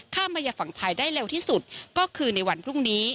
มายังฝั่งไทยได้เร็วที่สุดก็คือในวันพรุ่งนี้